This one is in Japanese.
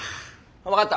分かった。